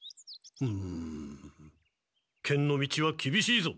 うん剣の道はきびしいぞ。